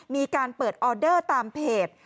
มีการเปิดออเดอร์ตามเพจ